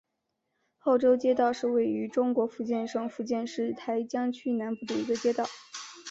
后洲街道是位于中国福建省福州市台江区南部的一个街道。